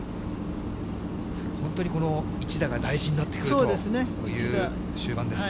本当にこの一打が大事になってくるという終盤です。